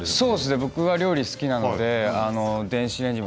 僕は料理が好きなので電子レンジは。